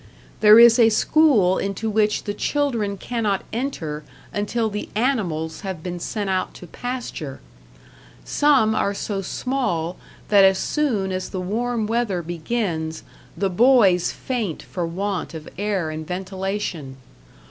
There is a school into which the children cannot enter until the animals have been sent out to pasture. Some are so small that as soon as the warm weather begins the boys faint for want of air and ventilation.